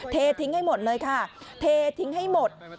เททิ้งให้หมดเลยค่ะเททิ้งให้หมด